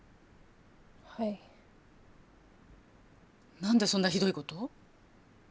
何でそんなひどい事を？